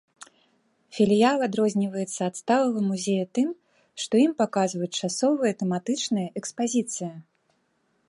Філіял адрозніваецца ад сталага музея тым, што ў ім паказваюць часовыя тэматычныя экспазіцыі!!!!